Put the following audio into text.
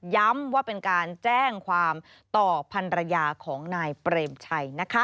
ย้ำว่าเป็นการแจ้งความต่อภัณฑ์ระยาของนายเปรมชัย